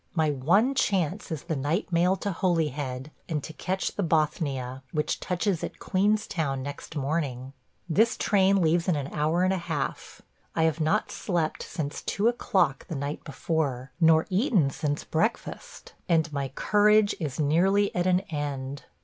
My one chance is the night mail to Holyhead and to catch the Bothnia, which touches at Queenstown next morning. This train leaves in an hour and a half. I have not slept since two o'clock the night before, nor eaten since breakfast, and my courage is nearly at an end.